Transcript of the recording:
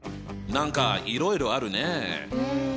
何かいろいろあるね！